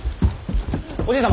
おじい様！